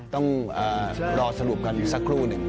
ต้องรอสรุปกันอีกสักครู่หนึ่ง